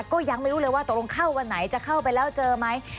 ก็ยังไม่รู้เลยว่าตกลงเข้าวันไหนจะเข้าไปแล้วเจอไหม